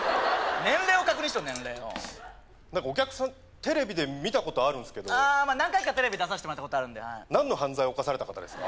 年齢を確認しろ年齢を何かお客さんテレビで見たことあるんすけど何回かテレビ出さしてもらったんで何の犯罪を犯された方ですか？